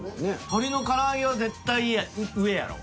鶏の唐揚は絶対上やろ。